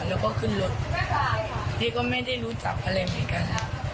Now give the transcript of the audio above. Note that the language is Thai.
แล้วก็ขึ้นรถพี่ก็ไม่ได้รู้จักอะไรเหมือนกัน